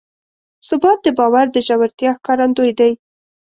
ثبات د باور د ژورتیا ښکارندوی دی.